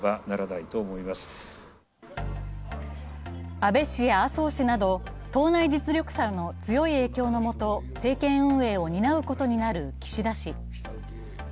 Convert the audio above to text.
安倍氏や麻生氏など党内実力者の強い影響の下、政権運営を担うことになる岸田氏。